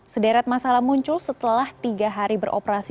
sederet masalah muncul setelah tiga hari beroperasi